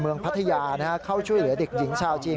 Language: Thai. พัทยาเข้าช่วยเหลือเด็กหญิงชาวจีน